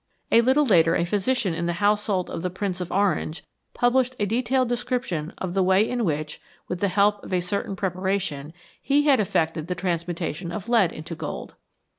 A little later a physician in the household of the Prince of Orange published a detailed description of the way in which, with the help of a certain preparation, he had effected the transmutation of lead into gold.